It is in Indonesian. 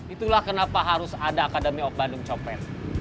itulah kenapa harus ada akademi bandung copet